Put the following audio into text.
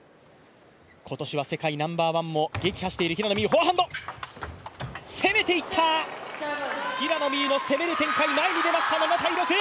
今年は世界ナンバーワンも撃破しているフォアハンド、攻めていった、平野美宇の攻める展開、前に出た。